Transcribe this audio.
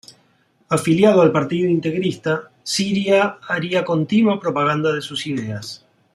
Afiliado al Partido Integrista, Ciria haría continua propaganda de sus ideas.